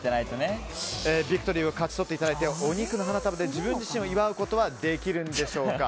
ビクトリーを勝ち取っていただいてお肉の花で自分自身を祝うことはできるんでしょうか。